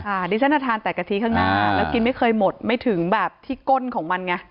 อันนี้ฉันจะทานแต่กะทิข้างหน้าแล้วกินไม่เคยหมดไม่ถึงแบบที่ก้นของมันไง